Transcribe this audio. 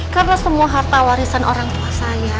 karena semua harta warisan orang tua saya